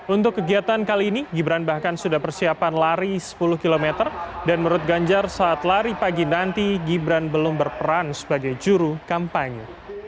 untuk kegiatan kali ini gibran bahkan sudah persiapan lari sepuluh km dan menurut ganjar saat lari pagi nanti gibran belum berperan sebagai juru kampanye